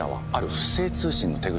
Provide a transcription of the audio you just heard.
不正通信の手口。